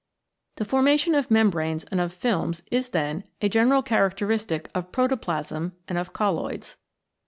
The formation of membranes and of films is, then, a general characteristic of protoplasm and of colloids.